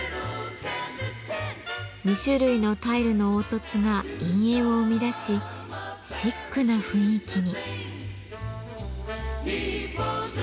２種類のタイルの凹凸が陰影を生み出しシックな雰囲気に。